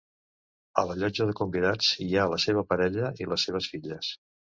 A la llotja de convidats hi ha la seva parella i les seves filles.